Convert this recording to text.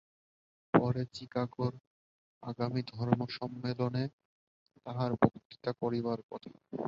পরে চিকাগোর আগামী ধর্মসম্মেলনে তাঁহার বক্তৃতা করিবার কথা।